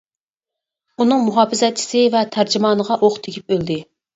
ئۇنىڭ مۇھاپىزەتچىسى ۋە تەرجىمانىغا ئوق تېگىپ ئۆلدى.